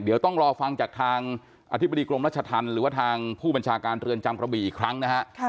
เดี๋ยวต้องรอฟังจากทางอธิบดีกรมรัชธรรมหรือว่าทางผู้บัญชาการเรือนจำกระบี่อีกครั้งนะฮะ